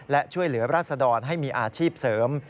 และช่วยเหลือราศดรให้มีอาชีพเสริม